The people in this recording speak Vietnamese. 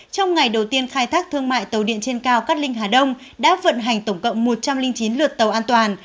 trong ngày đầu tiên khai thác thương mại tàu điện trên cao cát linh hà đông đã vận hành tổng cộng một trăm linh chín lượt tàu an toàn